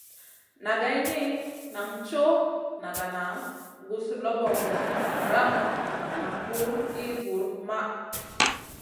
Na geyni, nan coʼ nagana, guzlobomu, ramu nam buw ir buwr maʼh.